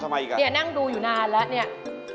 ทำไมอีกกันเฮียนั่งดูอยู่นานแล้วนี่นี่